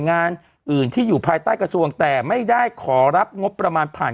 งานอื่นที่อยู่ภายใต้กระทรวงแต่ไม่ได้ขอรับงบประมาณผ่าน